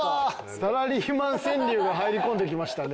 サラリーマン川柳が入り込んできましたね。